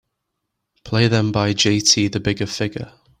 Play them by Jt The Bigga Figga.